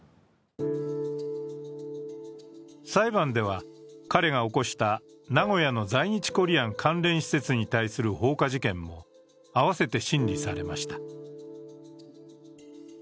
裁判では、彼が起こした名古屋の在日コリアン関連施設に対する放火事件も併せて審理されました。